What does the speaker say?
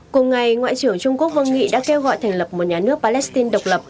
cùng ngày ngoại trưởng trung quốc vương nghị đã kêu gọi thành lập một nhà nước palestine độc lập